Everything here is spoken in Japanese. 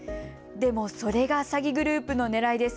でもそれが詐欺グループのねらいです。